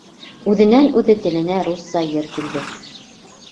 Үҙенән-үҙе теленә русса йыр килде.